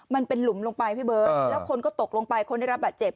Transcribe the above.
มันเป็นหลุมลงไปพี่เบิร์ตแล้วคนก็ตกลงไปคนได้รับบาดเจ็บ